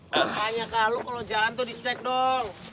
makanya kalau lo jalan tuh di cek dong